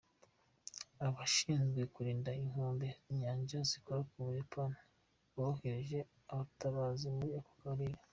Abashinzwe kurinda inkombe z’inyanja zikora ku Buyapani bohereje abatabazi muri ako karere.